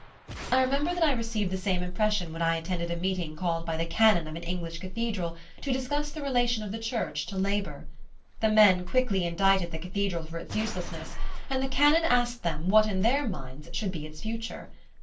I remember that I received the same impression when I attended a meeting called by the canon of an English cathedral to discuss the relation of the Church to labor. The men quickly indicted the cathedral for its uselessness, and the canon asked them what in their minds should be its future.